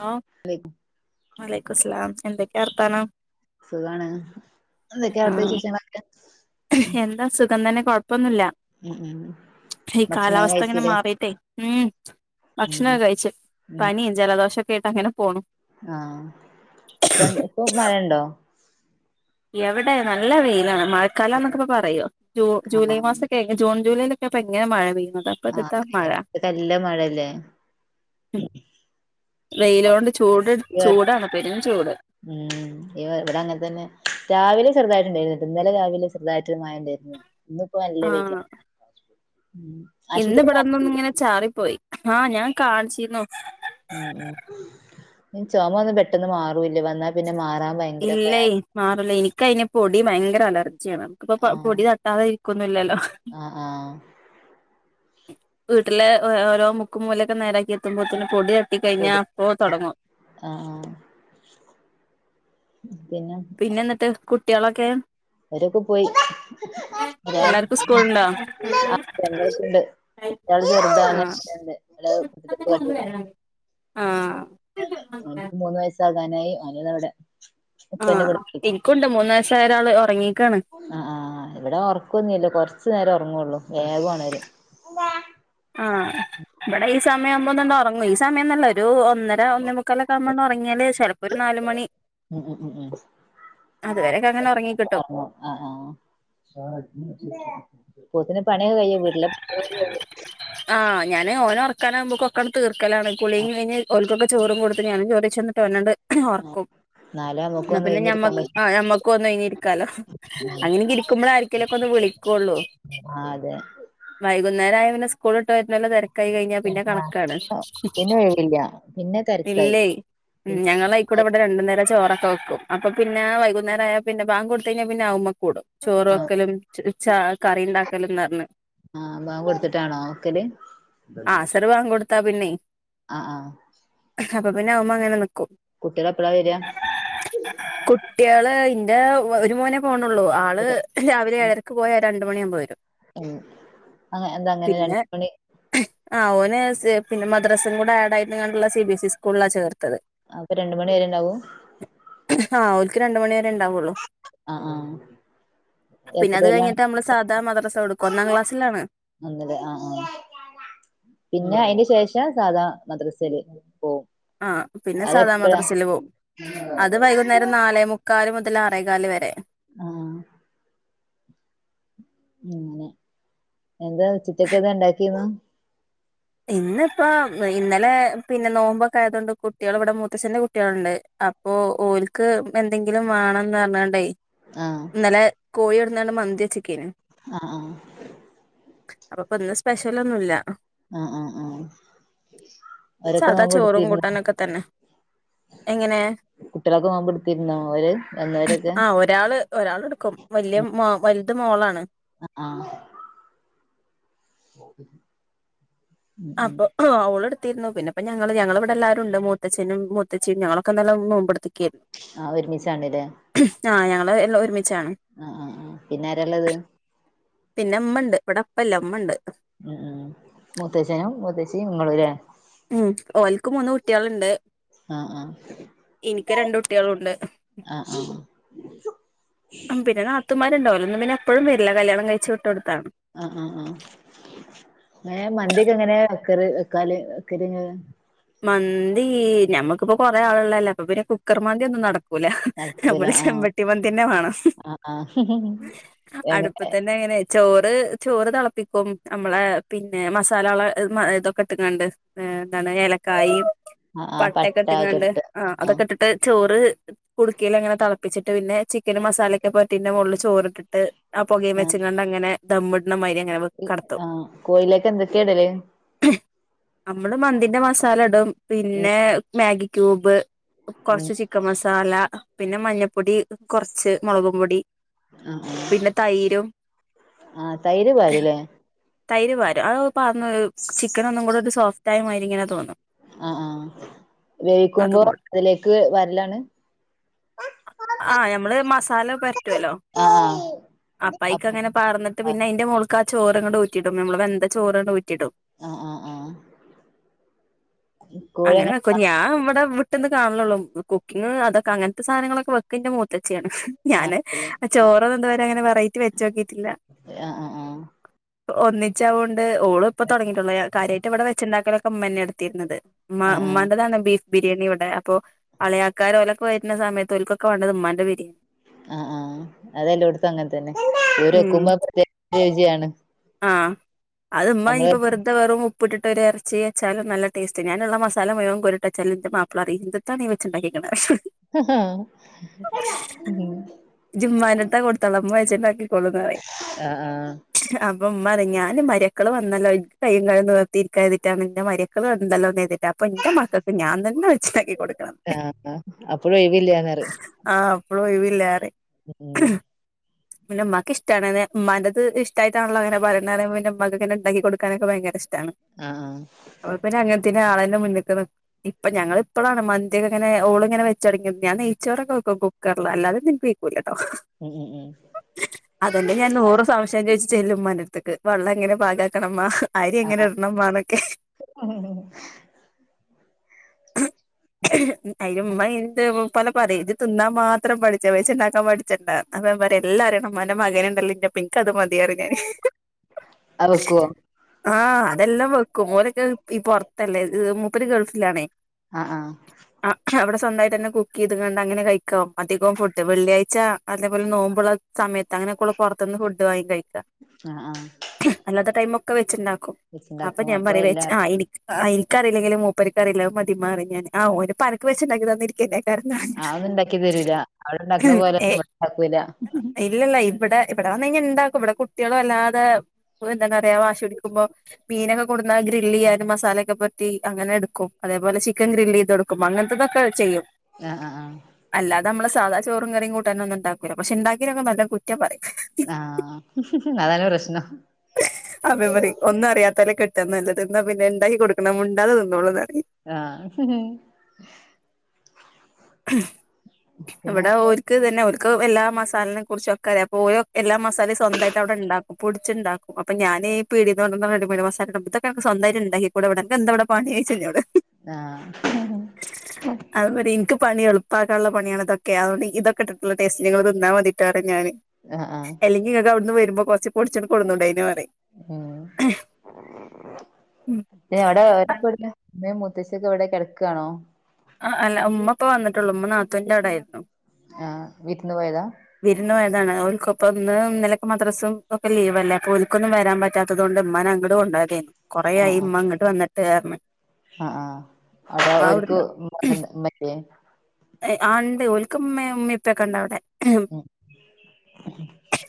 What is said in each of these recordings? Hello അലൈക്കും വലൈക്കു സ്ലാം എന്തൊക്കെയ വർത്താനം സുഖാണ് എന്തൊക്കെയ അവിടുത്ത ആഹ് വിശേഷങ്ങൾളൊക്കെ എന്താ സുഖം തന്നെ കൊഴപ്പ ഇപ്പൊന്നുമില്ല ഉം ഉം ഈ ഭക്ഷണം കാലാവസ്ഥ അങ്ങനെ കഴിച്ചില്ലേ മാറിട്ടേ ഉം ഉം ഭക്ഷണമൊക്കെ ഉം കഴിച്ചു പനിയും ജലദോഷൊക്കെ അയിട്ട് അങ്ങനെ പോണു ആ ഇപ്പോ ന്ത് ഇപ്പൊ മഴണ്ടോ എവിടെ നല്ല വെയിലാണ് മഴക്കാലം എന്നൊക്കെ പ്പോലെ പറയോ ജൂ ജൂലൈ ആഹ് മാസൊക്കെ ജൂൺ ജൂലൈൽ പ്പൊ എങ്ങനെ മഴ പെയ്യുന്നത് അപ്പൊ എതിത്താ ആഹ് മഴ നല്ല മഴല്ലേ വെയിലോണ്ട് ചൂട് എടുത്ത് ചൂടണ് പെരും ചൂട് ഉം ഇവ ഇവിടെ അങ്ങനെ തന്നെ രാവിലെ ചെറുതായിട്ട്ണ്ടായിരുന്ന ഇന്നലെ രാവിലെ ചെറുതായി ട്ട് മഴയുണ്ടായിരുന്നു ഇന്നി ഇപ്പോ നല്ല വെയില ഇന്നിവടെ ഒന്നൊന്ന്ങ്ങനെ ചാറിപ്പോയി ആഹ് ഞാൻ കാണ്ച്ചീരുന്നു ഉം ഉം ഈ ചൊമൊന്നും പെട്ടെന്ന് മാറൂല്ലാ വന്നാ പിന്നെ മാ ഇല്ലേ മാറൂല്ല ഇന്ക്കയിന് പൊടി ഭയങ്കര അലർ ജിയാണ് നമ്മക്ക്പ്പം പ ആഹ് പൊടി തട്ടാതെ ഇരിക്കൊന്നുല്ലല്ലോ ആഹ് ആഹ് വീട്ട്ലെ ഓ ഓ ഓരോ മുക്കും മൂലെക്കെ നേരാക്കി എത്തുമ്പോത്തിനും പൊടിയട്ടി കഴിഞ്ഞാ കൂടി അപ്പോ തൊടങ്ങും ആഹ് ആഹ് പിന്നെ പിന്നെന്ന്ട്ട് കുട്ട്യാളൊക്കെ അവരൊക്കെ പോയി [unintelligible] ആഹ് എല്ലാർക്കും സ്കൂളുണ്ടോ രണ്ടായിട്ടുണ്ട് [unintelligible] എല്ലാരു ആഹ് [unintelligible] ആഹ് ഓന്ക്ക് മൂന്ന് വയസാകാനായി ഓന് ഇതാവടെ [unintelligible] ഉപ്പന്നെ ആഹ് കുളിപ്പിക്കും എനിക്കുണ്ട് മൂന്ന് വയസ്സായ ഒരാള് ഒറങ്ങീക്കാണ് ആഹ് ആഹ് ഇവടെ ഒറക്കൊന്നി ല്ല കൊറ്ച്ച് നേരെ ഒറങ്ങോള്ളൂ വേഗൊണരും ആഹ് ഇവടെ ഈ സമയാമ്പൊന്നന്ന് ഒറങ്ങെ ഈ സമയന്നൊല്ലാ ഒ രു ഒന്നര ഒന്നേ മുക്കാലൊക്കാവുമ്പൊ ഒന്നൊറ്ങ്ങിയാലെ ചെല്പ്പോ ഒരു നാലുമണി ഉം ഉം ഉം ഉം അതുവരേക്കങ്ങനെ ഒറങ്ങിക്കിട്ടും ഒറങ്ങും ആ ആ അപ്പോത്തിന് പണിയൊക്കേ കഴിയോ വീട്ട്ലെ ആഹ് ഞാന് ഓനൊറ്ക്കാനാവുമ്പക്ക് ഒക്കങ്ങട് തീർക്കലാണ് കുളി കഴിഞ്ഞ് ഓല്ക്കൊക്കേ ചോറും കൊടുത്ത് ഞാനും ചോറയ്ച്ച് വന്ന്ട്ട് ഓനാട്ട് ഒറക്കും എന്നാലേ ഇന്നാ നമുക്കൊന്ന് പിന്നെ ഒഴിഞ്ഞിരിക്കാൻ ഞമ്മക്ക് പറ്റൂ ആഹ് ഞമ്മക്കൊന്ന് ഒഴിഞ്ഞിരിക്കാലോ. അങ്ങനേങ്കി ഇരിക്കുമ്പളായിക്കല്ലൊ ഒക്കൊന്ന് വിളി ക്കോള്ളു ആ അതെ വൈകുന്നേരായ പിന്നെ സ്കൂള് വിട്ട് വര്ന്നേരം തെരക്കായി കഴിഞ്ഞാ പിന്നെ കണക്കാണ് പിന്നെ ഒഴിവില്ല പിന്നെ ഉം തെരക്കായി ഇല്ലേയ് ഉം പിന്നെ ഞങ്ങളയിക്കൂടെ ഇവടെ രണ്ടു നേരം ചോറൊക്കെ വെക്കും അപ്പ പിന്നെ വൈകുന്നേരായ പിന്നെ ബാങ്കൊടുത്തഴിഞ്ഞാ പിന്നെ ഉമ്മ കൂടും ചോറ് ആ വെക്കലും ച് ഇച്ചാ കറിണ്ടാക്കലും ന്നർഞ്ഞ് ആഹ് ബാങ്കൊട് ത്തിട്ടാണോ വെക്കല് ത്ത പിന്നെ ആഹ് അഹ് അപ്പ പിന്നെ അവ്മ്മങ്ങനെ നി കുട്ട്യെളെപ്പളാ വെരാ? കുട്ടികള് ഇന്റെ ഒരു മോനെ പോണള്ളൂ ആള് വരാ രാവിലെ ഉം ഏഴരക്ക് പോയാൽ രണ്ട് മണിയാകുമ്പോൾ വരും ഉം അ എന്താ അങ്ങനെ രണ്ട് മണി ആ ഓന് പിന്ന മദ്രാസും കൂടെ ആഡ് ആയിട്ടുള്ള സി ബി സ് ഇ സ്കൂളിലാ ചേർത് അപ്പൊ രണ്ട് മണി വരെ ഇണ്ടാവു ആഹ് ഓൽക്ക് രണ്ട് മണി ഉണ്ടാവുള്ളു പിന്നെ അത്‌ കഴിഞ്ഞിട്ട് ഞമ്മൾ സാധ മദ്രസ്സ കൊട് നല്ലത് ആഹ് ആഹ് പിന്നെ അയിന് ശേഷം സാധാ മദ്രസയില് പോവും ആ പിന്നെ സാധാ അതെപ്പഴാ മദ്രസ്സയിൽ പോവും അത് വൈകുന്നേരം നാലേമുക്കാല് മുത ആറെകാൽ വരെ ആഹ് അങ്ങനെ എന്താ ഉച്ചത്തേക്ക് എന്താ ഇണ്ടാക്കിന്ന് ഇന്നിപ്പോ ഇന്നലെ പിന്നെ നോമ്പൊക്കെ ആയതുകൊണ്ട് കുട്ടികൾ ഇവിടെ മൂത്തഛന്റെ കുട്ടികളുണ്ട് അപ്പൊ ഓൽക്ക് എന്തെങ്കിലും വേണന്ന് പറഞ്ഞ ആഹ് ഇന്നലെ കോഴി കൊടുന്നോണ്ട് മന്തി വെച്ചക്കേനു ആഹ് ആഹ് അപ്പോപ്പോ ഇന്ന് സ്പെഷ്യലൊന്നുല്ല ആഹ് ആഹ് ആഹ് അവരൊക്കെ സാധാ നോമ്പ് ചോറും എടുത്തിരുന്നോ കൂട്ടാനൊക്കെ തന്നെ എങ്ങനെ കുട്ടികളൊക്കെ നോമ്പ് എടുത്തിരുന്നോ അവര് വന്നവരൊക്കെ ആഹ് ഒരാൾ ഒരാൾ എടുക്കും വലിയ മോളാണ് ആഹ് [inaudible] ഉം ഉം അപ്പൊ അവ പിന്നെപ്പ ഞങ്ങള് ഞങ്ങള ഇവിടെ എല്ലാരും ഉണ്ട് മൂത്തച്ചനും മൂത്തച്ചിയും ഞങ്ങളക്കെ നോമ്പ് എടു ആഹ് ഒരുമിച്ചാണലേ ആ ഞാള് ആ ആഹ ആ പിന്ന ആരള്ളത് പിന്നെ അമ്മണ്ട് ഇവിടെ അപ്പല്ല അമ്മ ഉണ്ട് മങ്ങളൂര് ഉം ഓലക്ക് മൂന്ന് കുട്ടികളുണ്ട് ആഹ ആഹ രണ്ട് കുട്ട്യാളുണ്ട് ആഹ ആഹ പിന്നൊത്തമാരുണ്ടാവോന്ന് പിന്നെ എപ്പഴും വരില്ല കല്യാണം കഴിച്ചുട്ട് ആഹ ആ് ആഹ മന്തിയക്ക എങ്ങനെ എക്കറി എക്കാല് ഒക്കറി മന്തി നഞമ്മക്കിപ്പോൊ കൊറെേ ആളള്ളല്ലേ അപ്പൊ പിന്നെ കുക്കർ മന്തി ഒന്നും നടക്ക ൂല നടക്കൂല നമ്മൾ ചെ ആഹ് വെട്ടിപ്പന്തിന്നെ വേണം ആഹ് ആഹ് അടുപ്പ എങ്ങനെ തന്നെ അങ്ങനെ ചോറ് ചോറ് തിളപ്പിക്കും നമ്മള പിന്നെ മസാല ഇതൊക്കെ ഇണ്ട് കായ ആഹ് ആഹ് പട്ടൊക്കെ പട്ട ഒക്കെ ഇട്ടങ്ങാണ്ട് ഇട്ടിട്ട് ആ ആഹ് അതൊക്കെ ഇട്ടിട്ട് ചോറ് കുടുക്കൽ അങ്ങനെ ത പപ്പിച്ചിട്ട് പിന്നെ ചിക്കും മസാലൊക്കെ പറ്റിന്റെ മള് ചോറിട്ടിട്ട് ആ പുകയും ആഹ് വെച്ചണ്ട്ങ്ങെിട്ട് മാതിരി അങ്ങനെ കടത്തു ആഹ് കോഴിയിലേക്ക് എന്തൊക്കെയാ ഇടല് നമ്മള് മന്തിന്റെ മസാല ഇടും ഉം പിന്നെ മാഗി ക്യൂബ് ഉം കുറച്ച് ചിക്കൻ മസാല പിന്നെ മഞ്ഞപ്പൊടി കുറച്ച് മുളകും പൊടി പിന്നെ തൈരും ആഹ തൈര്യമാരുല്ലേ തൈര് വാരും അത് പറഞ്ഞ ചിക്കൻ ഒന്നും കൂടെ ഒരു സോഫ്റ്റ് ആായ മയിരി ഇങ്ങനെ തോന്നും ആഹ ആഹ് അതും വേവിക്കുമ്പോ അതിലേക്ക് വരലാണ് ആ ഞമ്മള് മസാല പറ്റുവല്ലോ ആഹ് ആഹ് അപ്പ അപ്പക്ക് അങ്ങനെ പറഞ്ഞട്ട് പിന്നെ അതിന്റെ മോൾക്ക് ആ ചോറ്ങ്ങണ്ട് ഊറ്റിട്ടും നമ്മെ വെന്ത ചോറ്ണ്ട് ഊറ്റിട്ടും ആഹ ആ ആ അങ്ങനെ വെക്കും ഞാൻ ഇവിടെ വി പെന്ന് കാണള്ളൂ കുക്കി് അൊക്കെ അങ്ങനത്തെ സാധനങ്ങളൊക്കെ വെക്കിന്റെ മുഖത്ത് ആഹ് ഞാന് ചോറന്ന എന്താ പറ അങ്ങനെ വെറൈറ്റി വെച്ചോക്കിട്ടില്ല ആഹ് ആഹ് [unintelligible] ഒന്നിച്ചാതുകണ്ട് ഓളും ഇപ്പൊ തുടങ്ങിട്ടുള്ള കാര്യമായിട്ട് ഇവിടെ വെച്ചുണ്ടാക്കലൊക്കെ അമ്മ തന്നെ എടുത്തിരുന്നത് മ ആഹ് ആഹ് മണ്ടതന്ന ബീഫ ബിരിയാണി ഇവിടെ അപ്പോ അളയാക്കാർഓലൊക്കെ വരുന്ന സമയത്ത് ഒലക്കെ വേണ്ടത് ഉ്മാന്റെ ബിരിയാണി ആ ആഹ അതെല്ലേ അടത്ത അങ്ങനെ തന്നെ രോ ഉം കുമ പ്രത്യേകരുചിയാണ് ആഹ് അത്മ്മ ഇപ്പൊ വെറുതെ വെറും പുട്ടിട്ട് ഒരു ഇറച്ചി വച്ചാലും നല്ല ടേസ്റ്റ് ഞാനുള്ള മസാല മ മുഴം കൊരിട്ട വച്ചും എന്ത്ും മാപ്പിളറി ഇിട്ടാണ്ണീ വെച്ച ഉണ്ടിുന്നത് ആഹ വച്ചിണ്ടാക്കി കൊള്ളുന്നറ ആഹ് അപ്പ് പറ ഞാൻ മരക്കൾ വന്നല്ലോ എക്ക് കയ്യും ക നിർത്തിയിരിക്കരുതിട്ടാണ് നിന്റെ മരക്കൾ വന്നല്ലോന്ന് അപ്പൊ എന്റെ മക്കൾക്ക് ഞാൻ തന്നെ വെച്ചതാക്കി കൊടുക്കണം ഇഴ ഒഴിവില്ലന്നറി അപ്പോ ഒഴവില്ലല്ലേ ഉം പിന്നെ മക്കക്ക് ഇഷ്ടമാണ്െ മന ഇഷ്ടട്ടണല്ലോ അനെ പറയണെ മക്കങ്ങനെണ്ടാക്കി കൊടുക്കാനൊക്കെ ഭയങ്കര ഇഷ്ടം ആഹ് ആഹ് ങ്ങ ആളെന്റെ മുന്നിൽ ഇപ്പ ഞൾ ഇപ്പോളാണ് മന്തിൊെങ്ങന ഓള ഇങ്ങെച്ചടങ്ങിയ ാൻ നെയ്ച്ചോൊക്കെ നോക്കും കുക്കറൽ അല്ലതെ നിപിക്കൂല ഉം ഉം ഉം അതെന്റെ ഞാൻ നൂറ് സംശയം ചോദിച്ച ചെല്ല ഉ്നടുത്തേക്ക് വെള്ളം എങ്ങനെ പാകാക്കണംമ്മ അരി എങ്ങനെ ആഹ് ഇടണമാ എന്നൊക്കെ [unintelligible] [unintelligible] അമ്മ എന്ത് പല പറയും ഇത് തിന്നാൻ മാത്രം പഠിച്ച പച്ച ഉണ്ടാക്കാൻ പഠിച്ചണ്ടാ അപ്പം ഓൻപറിയാ എല്ലാരിം [unintelligible] മകന്ണ്ടല്ലോ ഇന്റെപ്പം ഇൻക്ക് അത് മതിയറി ഞാന് അവ വെക്കുവോ ആഹ് അതെല്ലാം വെക്കും ഓരൊക്കെ ഈ പൊർത്തല്ലേ മൂപ്പര് ഗൾഫിലാണേ ആ ആ സ്വന്തായിട്ടന്നെ കുക്കെയ്ത്കാണ്ട് അങ്ങനെ കഴിക്കാം അധികം ഫുഡ്. വെള്ളിയാഴ്ച, അതേപോലെ നോമ്പ്ള്ള സമയത്ത് അങ്ങനെക്കുള്ള പൊർത്ത്ന്ന് ഫുഡ് വാങ്ങിക്കഴി ആ അല്ലാത്ത ടൈമൊക്കെ വെച്ചിണ്ടാക്കും അപ്പൊ വെച്ചുണ്ടാക്കും ഞാൻ പറിം എല്ലാ വെച്ച് ആ എനിക്ക് ആ എനിക്കറിയില്ലെങ്കിലും മൂപ്പര്ക്കറില്ലോ അത് മതിമ്മാറിം ഞാന് ആ ഓന്പ്പനക്ക് വെച്ച്ണ്ടാക്കി തന്നിട്ട് ആ ഒന്നും ഇണ്ടാക്കി തരൂല അവിടെണ്ടാക്ക്ണ ഏ പോലൊന്നും ഇവടെണ്ടാക്കൂല ഇല്ലല്ല ഇവിടെ ഇവടെവന്ന് കഴിഞ്ഞാ ഇണ്ടാക്കും ഇവടെ കുട്യള് വല്ലാതെ എന്താണറ്യാ വാശി പിടിക്കുമ്പോ മീനൊക്കെ കൊട്ന്നാ ഗ്രില്ലെയ്യാനും മസാലൊക്കെ പൊര്റ്റി അങ്ങനെ എടുക്കും. അതേപോലെ ചിക്കൻ ഗ്രില്ലെയ്തെടുക്കും അങ്ങൻത്തെതൊക്കെ ചെയ്യും അ ആ ആ അല്ലാതെ നമ്മള് സാധ ചോും കറിം കൂട്ടനൊന്നും ഇണ്ടാക്കൂല പക്ഷെ ഇണ്ടാക്കിനൊക്കേ നല്ലോം കുറ്റം പറിം ആ അതാണ് പ്രശ്നം ആ മെമ്മറി ഒന്നും അറിയാത്തോലേ കെ ട്ടാ നല്ലത് ന്നാ പിന്നെ ഇണ്ടാക്കി കൊട്ക്ക്ണെ മിണ്ടാതെ തിന്നോളുന്നറിം ആഹ് പിന്നെ ഇവിടെ ആഹ് ഓര്ക്ക് തന്നെ ഓ ര്ക്ക് എല്ലാ മസാൽനെ കുർച്ചൊക്കറ്യ അപ്പോ ഓല് എല്ലാ മസാലിം സ്വന്താട്ടവിടെണ്ടാക്കും പൊട്ച്ച്ണ്ടാക്കും അപ്പോ ഞാ ന് പീടേന്ന് കൊണ്ടന്ന റെഡിമെഡ് മസാലട്മ്പം ഇതൊക്കേ അൻക്ക് സ്വന്തായിട്ട് ഇണ്ടാക്കൂടെവിടെ അൻക്ക് എന്തവ്ടെ പണീഓഴ്ച്ച ഇന്നോട് അതൊന്നല്ല ഇൻക്ക് പണി എൾപ്പാക്കാള്ള പണിആണ് ഇതൊക്കെ അതോണ്ട് ഇതൊക്കെ ഇട്ട്ട്ട്ള്ള ടേസ്റ്റ്ന് ഇങ്ങള് തിന്നാ മതിട്ടോന്നു പറിം ഞാന് ആഹ് ആഹ് അല്ലെങ്കി ഇങ്ങക്ക് അവിടുന്ന് വര്മ്പോ കൊർച്ച് പൊടിച്ചാണ്ട് കൊട്ന്നൂടേന്യ ന്നു പറി ഉം എവിടെ ഓലൊക്കെ എവിടെ [unintelligible] മുത്തശ്ശി ക്കെഎവിടെ കെടക്കാണോ ആ അല്ല ഉമ്മ ഇപ്പ വന്നിട്ടുള്ളൂ ഉമ്മ നാത്തൂന്റവിടായിരുന്നു ആഹ് വിര്ന്ന് പോയതാ അതാണ് ഓൽക്കൊപ്പൊ ഇന്ന് ഇന്നലെപ്പം മദ്രസും ഒക്കെ ലീവല്ലേ അപ്പോ ഒൽക്കൊന്നും വരാൻ പറ്റാത്തതോണ്ട് ഇമ്മാനെ അങ്ങട് കൊണ്ടേര്തേന്നു കൊറെ ആയിമ്മ ഇങ്ങട്ട് വന്നിട്ട് ആറഞ്ഞു അ ആ അവിടെ ഓര്ക്ക് മറ്റേ ആ ഇണ്ട് ഓൽക്ക് ഇമ്മിം ഇമ്മിംപ്പൊക്കെണ്ടവിടെ ഏ ഉം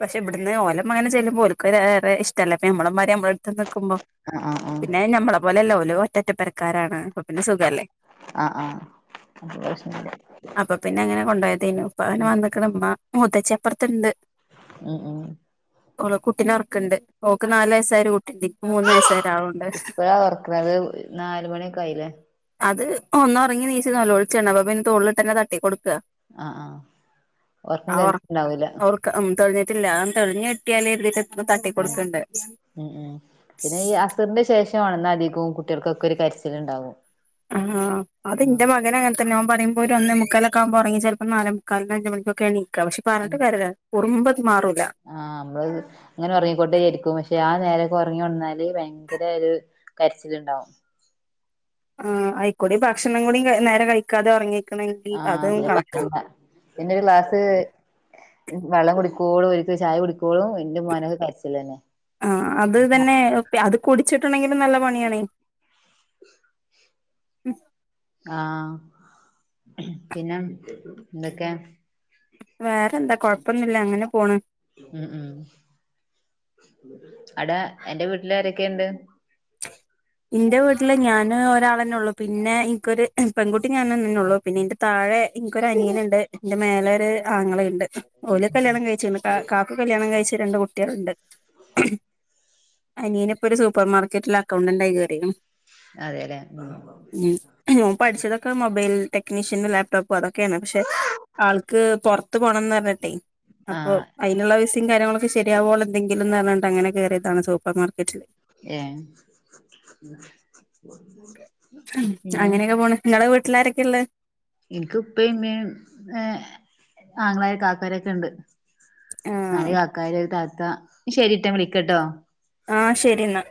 പക്ഷേ ഇവ് ട്ന്ന് ഓലമ്മങ്ങനെ ചെല്ലുമ്പോ ഓല്‍ക്ക് വേറെ ഇഷ്ട്ടല്ലേ ഇപ്പോ അമ്മളമ്മാ ര് നമ്മളട്ത്ത് നിക്കുമ്പോ ആഹ് ആഹ് പിന്നെ നമ്മളെ പോലെല്ല ഓല് ഒറ്ററ്റപ്പെരക്കാരാണ് അപ്പൊ പിന്നെ സുഖല്ലേ ആ ആ അപ്പം പ്രശ്നല്യാ കൊണ്ടയ്തേനു പ്പ അങ്ങനെ വന്ന്ക്ക്ണ് മ്മ മൂത്തച്ചിഅപ്പർത്ത്ണ്ട് ഉം ഉം ഓള് കുട്ടിനെ ഒർക്ക്ണ്ട് ഓക്ക് നാല് വയസ്സായൊരു കു ട്ടിണ്ട് ഇപ്പൊ മൂന്ന് വയസായ ഒരാളുണ്ട് ഇപ്പഴാ ഒറക്കണത് നാല് മണിയൊക്കെ ആയില്ലേ അത് ഒന്നൊർങ്ങി നീച്ച് നൊലോൾച്ചാണ് അപ്പ പിന്നെ തോൾട്ടങ്ങനെ തട്ടി കൊട് ക്കാ ആഹ് ആഹ് ഒറക്കം ആ ഒർക്കം തെളിഞ്ഞിട്ടുണ്ടാവൂല ഒർക്കം തെൾഞ്ഞി തെൾഞ്ഞ്ട്യാല് [unintelligible] തട്ടി ഉം കൊട്ക്ക്ണ്ട് ഉം ഉം പിന്നെ ഈ അസറിന്റെ ശേഷമാ അധികൊം കുട്യൾക്കൊക്കൊരു കരിച്ചില് ഇണ്ടാവും ആഹ് അത് ഇന്റെ മകനങ്ങൻതെന്നെ ഓൻ പറിമ്പോ ഒരു ഒന്നേമു ക്കാലൊക്കെക്മ്പോ ഒർങ്ങി ചെൽപ്പോ നാലെമുക്കാൽന് അഞ്ച് മണിക്കൊക്കാണ് നീക്ക പക്ഷെ പറഞ്ഞട്ട് കര്യല്ല്യ കുർമ്പ് ആഹ് നമ്മള് ഇങ്ങനെ ഒർങ്ങിക്കോണ്ടേ ഇരിക്കും പക്ഷെ ആ നേര ഒർങ്ങി ഒൺന്നാല് ഭയങ്കര ഒരു കരച്ചില്ണ്ടാവും ആ അയ്ക്കൂടി ഭക്ഷണം കൂടി നേരെ കഴിക്കാതെ ഒർങ്ങി ആ [unintelligible] ക്ലാസ്സ് വെള്ളം കുടിക്കോളും [unintelligible] ചായ കുടിക്കോളും എന്റെ [unintelligible] ആ അത് തന്നെ അത് കുടിച്ചിട്ടുണ്ടെങ്കിലും നല്ല പണിയാണ്. ആ പിന്നെ എന്തൊക്കെ? വേറെ എന്താ കൊഴപ്പൊന്നുല്ല അങ്ങനെ പോണ്. ഉം ഉം അവിടെ എൻ്റെ വീട്ടിലാരൊക്കെയുണ്ട്? എന്റെ വീട്ടില് ഞാൻ ഒരാളന്നെ ഉള്ളു പിന്നെ എനിക്കൊരു പെൺകുട്ടി ഞാൻ തന്നെ ഉള്ളു പിന്നെ എന്റെ താഴെ എനിക്കൊരു അനിയനുണ്ട് എന്റെ മേലെ ഒരു ആങ്ങള ഉ ണ്ട് ഓല കല്യാണം കഴിച്ചിന്ന് കാക്ക കല്യാണം കഴിച്ചു രണ്ട് കുട്ടികളുണ്ട്. അനിയന് ഇപ്പോ ഒരു സൂപ്പർമാർക്കറ്റില് അക്കൗണ്ടന്റായി കേറി അതെല്ലേ ഉം ഞാൻ പഠിച്ചതൊക്കെ മൊബൈൽ ടെ ടെക്നീഷ്യനും ലാപ്ടോപ്പും അതൊക്കെയാണ് പക്ഷെ ആൾക്ക് പുറത്ത് പോണന്ന് പറഞ്ഞട്ടെ അപ്പൊ ആഹ് അതിനുള്ള വിസം കാര്യങ്ങളൊക്കെ ശരിയാവോ എന്തെങ്കിലുംന്ന് പറഞ്ഞിണ്ട് അങ്ങനെ കേറിയതാണ് സൂപ്പർ മാർക്കറ്റില്. പിന്നെ വീട്ടിൽ ആരൊക്കെയ ഉള്ളെ? എനിക്ക് ഇപ്പയും ഇമ്മയും ഏ ആങ്ങളയും കാക്കാരൊക്കെ ഉണ്ട്. നാല് ആഹ് കാക്കാര് ഒരു താത്ത ശരിട്ടോ ഞാൻ വിളിക്കട്ടോ. ആ ശരി എന്നാ.